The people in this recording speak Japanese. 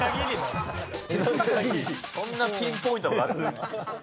そんなピンポイントなことある？